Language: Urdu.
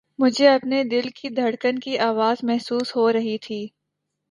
مجھے اپنے دل کی دھڑکن کی آواز محسوس ہو رہی تھی